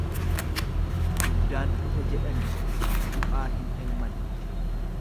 Guddaan dhufe jedhani gu'aa hin elman.